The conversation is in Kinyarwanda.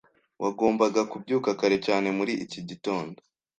Wagombaga kubyuka kare cyane muri iki gitondo.